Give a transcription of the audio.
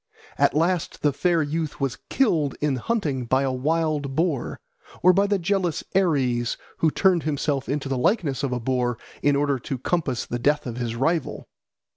At last the fair youth was killed in hunting by a wild boar, or by the jealous Ares, who turned himself into the likeness of a boar in order to compass the death of his rival.